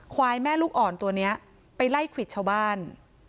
ควายแม่ลูกอ่อนตัวนี้ไปไล่ควิดชาวบ้าน